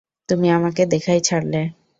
তুমি আমাকে দেখাই ছাড়লে।